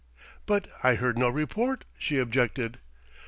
"But I heard no report," she objected.